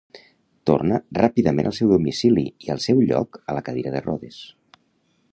Torna ràpidament al seu domicili i al seu lloc a la cadira de rodes.